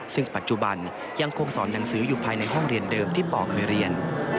ซึ่งปัจจุบันยังคงสอนหนังสืออยู่ภายในห้องเรียนเดิมที่ป่อเคยเรียน